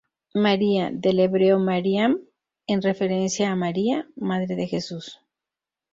María, del hebreo Mariam, en referencia a María, madre de Jesús.